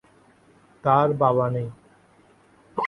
তার বাবা নেই।